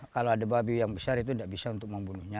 kalau ada babi yang besar itu tidak bisa untuk membunuhnya